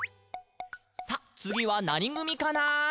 「さあ、つぎはなにぐみかな？」